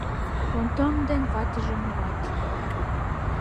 Онтон ден ватыже мурат: